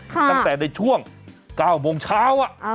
ฮ่ะตั้งแต่ในช่วง๙ปุ่มเช้าอะ